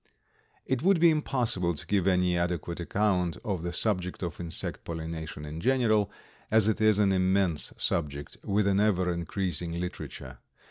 It would be impossible to give any adequate account of the subject of insect pollination in general, as it is an immense subject with an ever increasing literature.